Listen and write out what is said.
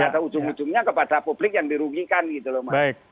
pada ujung ujungnya kepada publik yang dirugikan gitu loh mas